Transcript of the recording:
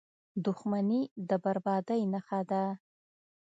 • دښمني د بربادۍ نښه ده.